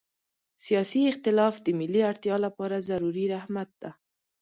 سیاسي اختلاف د ملي اړتیا لپاره ضروري رحمت ده.